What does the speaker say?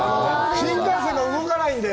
新幹線が動かないんで。